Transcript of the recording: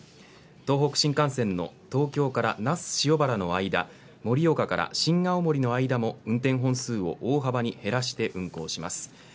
東北新幹線の東京から那須塩原の間盛岡から新青森の間も運転本数を大幅に減らして運行します。